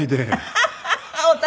ハハハハ。